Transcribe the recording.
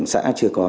xã chưa có